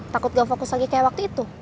takut gak fokus lagi kayak waktu itu